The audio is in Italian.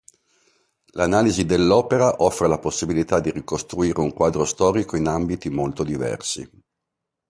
L'analisi dell'opera offre la possibilità di ricostruire un quadro storico in ambiti molto diversi.